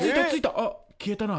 あっ消えたな。